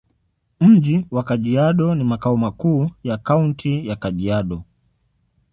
Mji wa Kajiado ni makao makuu ya Kaunti ya Kajiado.